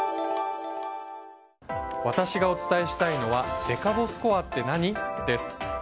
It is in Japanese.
私がお伝えしたいのはデカボスコアって何？です。